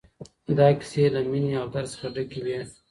دا کيسې له مينې او درد څخه ډکې وې.